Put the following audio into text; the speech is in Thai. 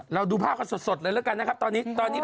ดูภาพกันสดเลยแล้วกันนะครับตอนนี้